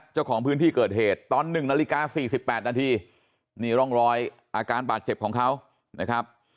เจ้าของพื้นที่เกิดเหตุตอน๑นาฬิกา๔๘นาทีนี่ร่องรอยอาการบาดเจ็บของเขานะครับ